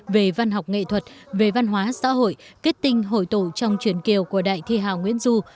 về văn học nghệ thuật về văn hóa xã hội kết tinh hội tụ trong chuyển kiều của đại thi hào nguyễn du